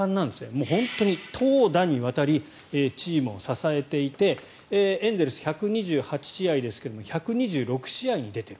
もう本当に投打にわたりチームを支えていてエンゼルス、１２８試合ですが大谷選手１２６試合に出ている。